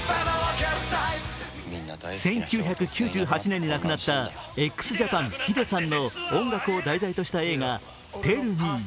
１９９８年に亡くなったＸＪＡＰＡＮ・ｈｉｄｅさんの音楽を題材とした映画「ＴＥＬＬＭＥ」。